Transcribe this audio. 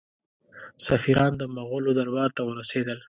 سفیران د مغولو دربار ته ورسېدل.